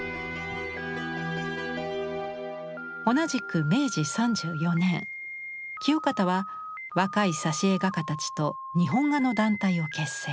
同じく明治３４年清方は若い挿絵画家たちと日本画の団体を結成。